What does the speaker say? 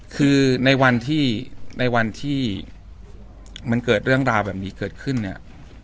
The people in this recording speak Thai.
คือในวันที่ในวันที่มันเกิดเรื่องราวแบบนี้เกิดขึ้นเนี่ย